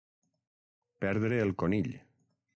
Perdre el conill.